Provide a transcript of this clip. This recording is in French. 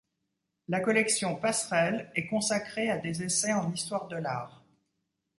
La collection Passerelles est consacrée à des essais en histoire de l’art.